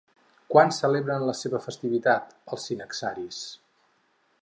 Quan celebren la seva festivitat els sinaxaris?